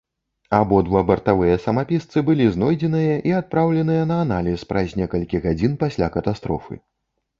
Абодва бартавыя самапісцы былі знойдзеныя і адпраўленыя на аналіз праз некалькі гадзін пасля катастрофы.